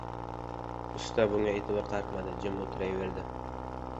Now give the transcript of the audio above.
Usta bunga eʼtibor qaratmadi, jim oʻtiraverdi.